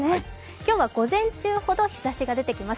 今日は、午前中ほど日ざしが出てきます。